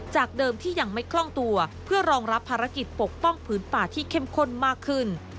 จากเดิมที่ยังไม่คล่องตัวเพื่อรองรับภารกิจปกป้องผืนป่าที่เข้มข้นมากขึ้น